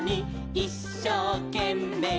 「いっしょうけんめい」